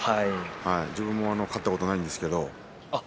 自分も勝ったことはないんですけれども。